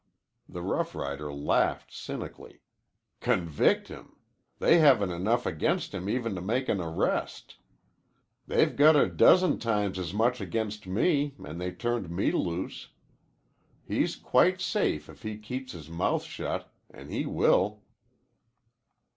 The rough rider laughed cynically. "Convict him! They haven't enough against him even to make an arrest. They've got a dozen times as much against me an' they turned me loose. He's quite safe if he keeps his mouth shut an' he will."